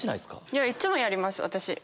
いっつもやります私。